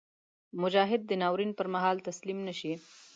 مجاهد د ناورین پر مهال تسلیم نهشي.